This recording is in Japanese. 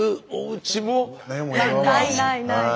ないないない。